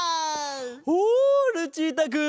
おルチータくん！